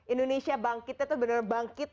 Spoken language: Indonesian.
indonesia bangkitnya itu benar benar bangkit